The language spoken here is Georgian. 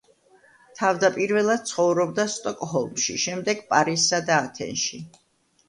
თავდაპირველად ცხოვრობდა სტოკჰოლმში, შემდეგ პარიზსა და ათენში.